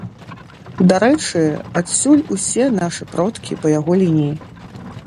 Дарэчы, адсюль усе нашы продкі па яго лініі.